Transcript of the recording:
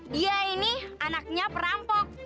dia ini anaknya perampok